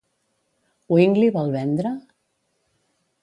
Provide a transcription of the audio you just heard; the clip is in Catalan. Wing li vol vendre?